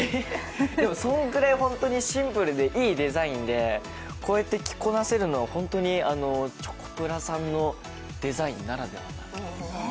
そのぐらいシンプルでいいデザインでこうやって着こなせるのはチョコプラさんのデザインならではだなと。